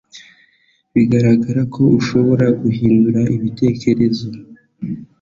Bigaragara ko ashobora guhindura ibitekerezo